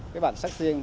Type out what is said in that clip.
cái bản sắc riêng